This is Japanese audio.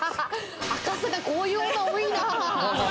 赤坂、こういう女多いな。